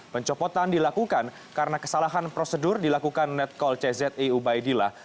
pencopotan dilakukan karena kesalahan prosedur dilakukan netkol czi ubaidillah